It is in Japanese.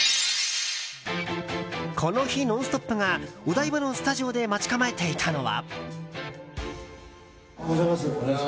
この日、「ノンストップ！」がお台場のスタジオで待ち構えていたのは。